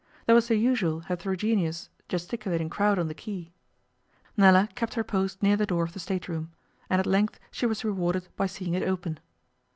There was the usual heterogeneous, gesticulating crowd on the quay. Nella kept her post near the door of the state room, and at length she was rewarded by seeing it open.